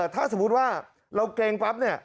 ถ้าสมมุติว่าเราเกรงปั๊บเนี่ย